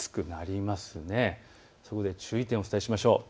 そこで注意点をお伝えしましょう。